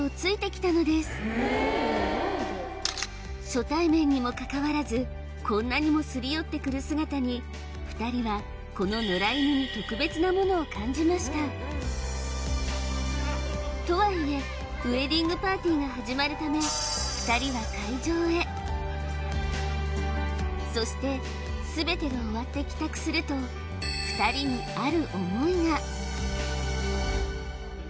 初対面にもかかわらずこんなにもすり寄ってくる姿に２人はこの野良犬に特別なものを感じましたとはいえウエディングパーティーが始まるため２人は会場へそして全てが終わって帰宅するとと思ったんです